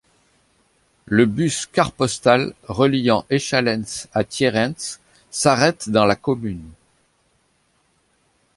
Le bus CarPostal reliant Échallens à Thierrens s'arrête dans la commune.